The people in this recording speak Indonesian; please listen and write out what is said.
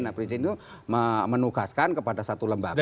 jadi ini menugaskan kepada satu lembaga untuk